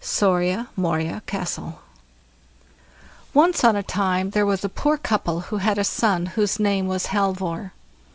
SORIA MORIA CASTLE Once on a time there was a poor couple who had a son whose name was Halvor.